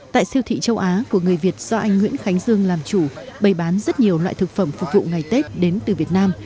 tại siêu thị châu á của người việt do anh nguyễn khánh dương làm chủ bày bán rất nhiều loại thực phẩm phục vụ ngày tết đến từ việt nam